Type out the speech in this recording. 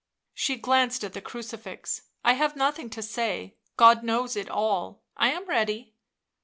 She glanced at the crucifix. " I have nothing to say; God knows it all. I am ready."